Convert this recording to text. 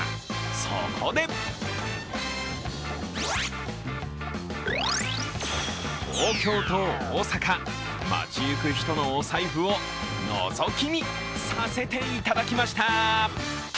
そこで、東京と大阪、街行く人のお財布をのぞき見させていただきました。